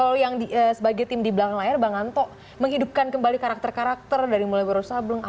nah kalau yang dia sebagai tim di belakang layar bang anto menghidupkan kembali karakter karakter dari bukunya itu jadi itu tuh sama sama banget ya